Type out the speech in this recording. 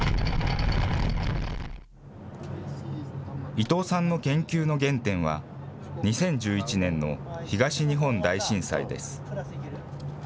伊藤さんの研究の原点は、２０１１年の東日本大震災です。